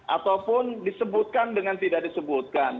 ataupun disebutkan dengan tidak disebutkan